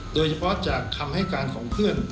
โดยเฉพาะจากคำให้การของเพื่อน